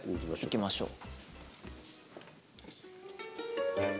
いきましょう。